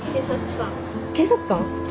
警察官？